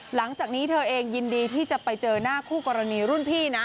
หลังจากนี้เธอเองยินดีที่จะไปเจอหน้าคู่กรณีรุ่นพี่นะ